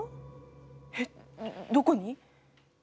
えっどこに？